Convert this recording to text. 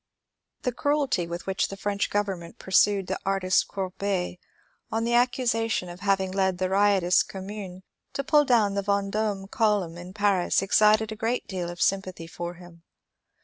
The cruelty with which the French government pursued the artist Courbet on the accusation of having led the riot ous Commune to pull down the Vendome column in Paris excited a great deal of sympathy for him.